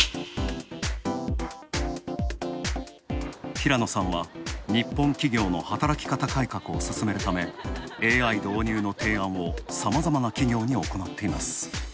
平野さんは日本企業の働き方改革を進めるため、ＡＩ導入の提案をさまざまな企業に行っています。